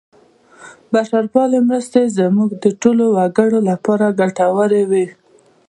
بشرپالې مرستې زموږ د ټولو وګړو لپاره ګټورې وې.